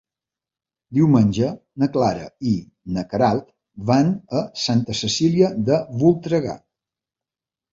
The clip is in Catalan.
Diumenge na Clara i na Queralt van a Santa Cecília de Voltregà.